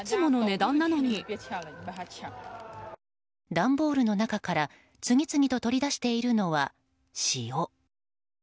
段ボールの中から次々と取り出しているのは塩。